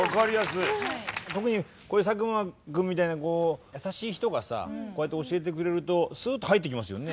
特にこういう佐久間君みたいなこう優しい人がさこうやって教えてくれるとすっと入ってきますよね。